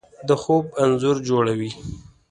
د خوب انځور جوړوي